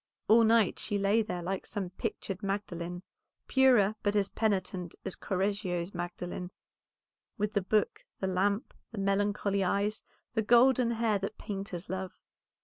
All night she lay there like some pictured Magdalene, purer but as penitent as Correggio's Mary, with the book, the lamp, the melancholy eyes, the golden hair that painters love.